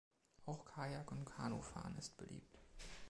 Auch Kajak- und Kanufahren ist beliebt.